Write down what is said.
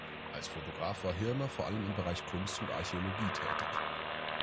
Als Fotograf war Hirmer vor allem im Bereich Kunst und Archäologie tätig.